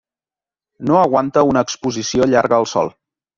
No aguanta una exposició llarga al sol.